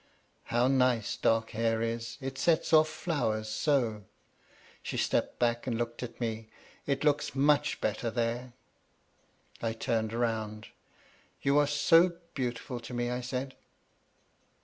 "How nice dark hair is; it sets off flowers so." She stepped back and looked at me. "It looks much better there!" I turned round. "You are so beautiful to me," I said.